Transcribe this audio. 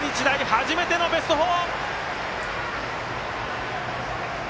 初めてのベスト４！